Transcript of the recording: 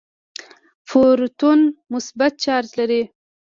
پروتون مثبت چارج لري.